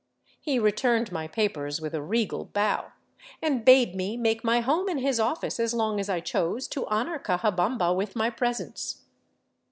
He returned my papers with a regal bow and bade me make my home in his office as 275 VAGABONDING DOWN THE ANDES long as I chose to honor Cajabamba with my presence.